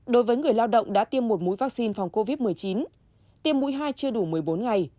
đối với người lao động đã tiêm một mũi vaccine phòng covid một mươi chín tiêm mũi hai chưa đủ một mươi bốn ngày